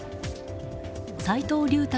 斎藤竜太